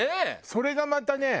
それがまたね